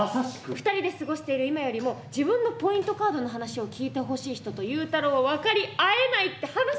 ２人で過ごしている今よりも自分のポイントカードの話を聞いてほしい人とゆうたろうは分かり合えないって話。